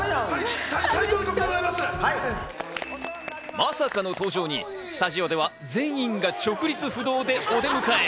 まさかの登場にスタジオでは全員が直立不動でお出迎え。